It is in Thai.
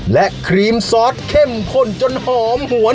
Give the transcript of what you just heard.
และครีมซอสเข้มข้นจนหอมหวน